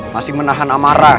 masih menahan amarah